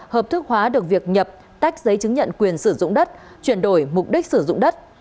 hợp thức hóa được việc nhập tách giấy chứng nhận quyền sử dụng đất chuyển đổi mục đích sử dụng đất